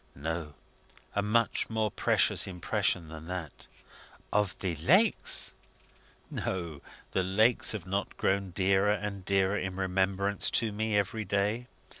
"No; a much more precious impression than that." "Of the lakes?" "No. The lakes have not grown dearer and dearer in remembrance to me every day.